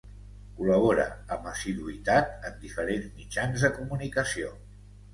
Col·labora amb assiduïtat en diferents mitjans de comunicació.